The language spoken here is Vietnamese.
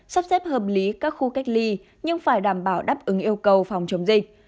sắp xếp hợp lý các khu cách ly nhưng phải đảm bảo đáp ứng yêu cầu phòng chống dịch